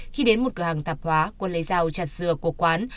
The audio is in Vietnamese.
khi đến một cửa hàng tạp hóa quân lấy dao chặt dừa của quán